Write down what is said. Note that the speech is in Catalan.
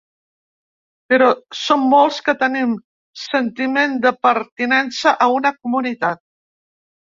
Però som molts que tenim sentiment de pertinença a una comunitat.